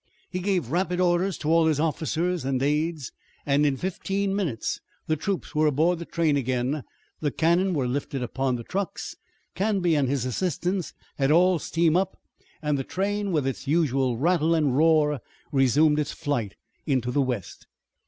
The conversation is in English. He gave rapid orders to all his officers and aides, and in fifteen minutes the troops were aboard the train again, the cannon were lifted upon the trucks, Canby and his assistants had all steam up, and the train with its usual rattle and roar resumed its flight into the west.